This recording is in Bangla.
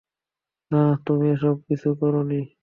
না, তুমি এসব কিছু করনি।